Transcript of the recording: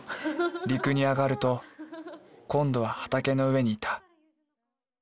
陸に上がると今度は畑の上にいた。